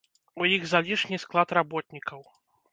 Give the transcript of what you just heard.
У іх залішні склад работнікаў.